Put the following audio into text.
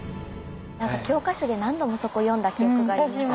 教科書で何度もそこ読んだ記憶があります。